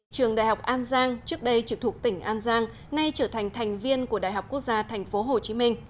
trường đại học an giang trước đây trực thuộc tỉnh an giang nay trở thành thành viên của đại học quốc gia tp hcm